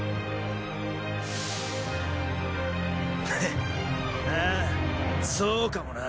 フッああそうかもな。